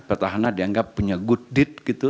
petahana dianggap punya good deat gitu